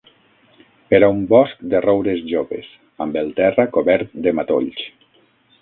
Era un bosc de roures joves, amb el terra cobert de matolls.